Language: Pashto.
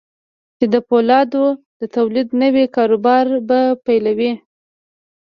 چې د پولادو د توليد نوي کاروبار به پيلوي.